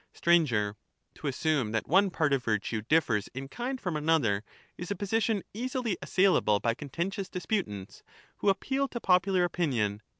Sir. To assume that one part of virtue differs in kind Certain from another, is a position easily assailable by contentious ^![Jfe°^ch disputants, who appeal to popular opinion.